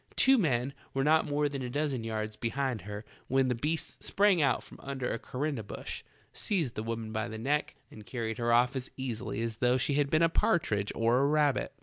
Two men were not more than a dozen yards behind her when the beast sprang out from under a korinda bush, seized the woman by the neck and carried her off as easil}" as though she had been a partridge or a rabbit.